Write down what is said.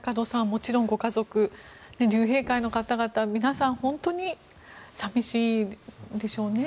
もちろんご家族、竜兵会の方々皆さん本当に寂しいでしょうね。